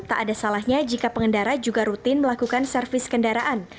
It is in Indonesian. tak ada salahnya jika pengendara juga rutin melakukan servis kendaraan